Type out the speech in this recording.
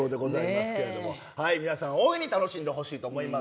皆さん、大いに楽しんでほしいと思います。